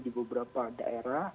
di beberapa daerah